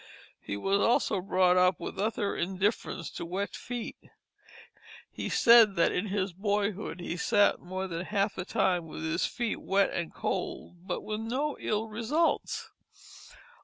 He was also brought up with utter indifference to wet feet; he said that in his boyhood he sat more than half the time with his feet wet and cold, but with no ill results.